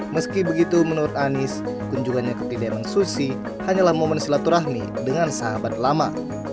meski begitu menurut anies kunjungannya ke pideman susi hanyalah momen silaturahmi dengan sahabat lama